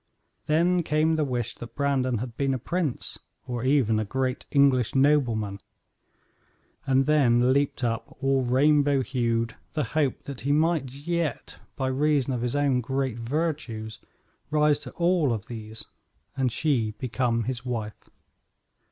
Then came the wish that Brandon had been a prince, or even a great English nobleman; and then leaped up, all rainbow hued, the hope that he might yet, by reason of his own great virtues, rise to all of these, and she become his wife.